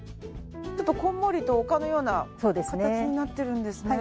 ちょっとこんもりと丘のような形になってるんですね。